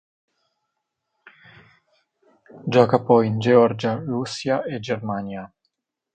Gioca poi in Georgia, Russia e Germania.